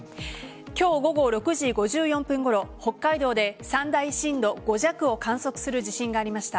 今日午後６時５４分ごろ北海道で最大震度５弱を観測する地震がありました。